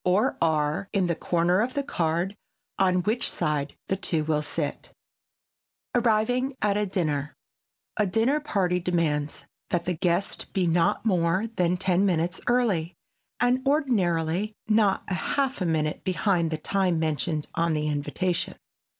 or R. in the corner of the card on which side the two will sit. [Sidenote: ARRIVING AT A DINNER] A dinner party demands that the guest be not more than ten minutes early, and ordinarily not a half minute behind the time mentioned in the invitation.